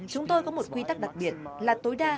chúng tôi có một quy tắc đặc biệt là tối đa